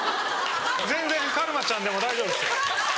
全然カルマちゃんでも大丈夫です。